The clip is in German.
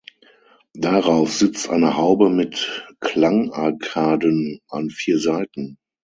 Darauf sitzt eine Haube mit Klangarkaden an vier Seiten.